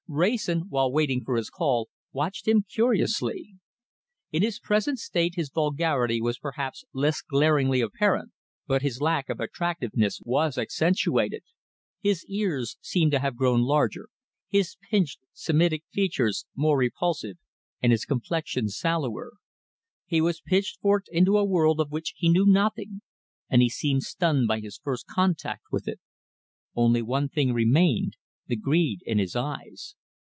Wrayson, while waiting for his call, watched him curiously. In his present state his vulgarity was perhaps less glaringly apparent, but his lack of attractiveness was accentuated. His ears seemed to have grown larger, his pinched, Semitic features more repulsive, and his complexion sallower. He was pitchforked into a world of which he knew nothing, and he seemed stunned by his first contact with it. Only one thing remained the greed in his eyes.